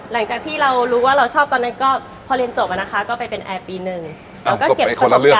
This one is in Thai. หลังจากที่เรารู้ว่าเราชอบตอนนั้นก็พอเรียนจบแล้วนะคะก็ไปเป็นแอร์ปีหนึ่ง